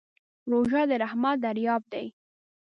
روژه د رحمت دریاب دی.